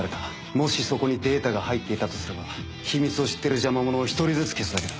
もしそこにデータが入っていたとすれば秘密を知ってる邪魔者を一人ずつ消すだけだ。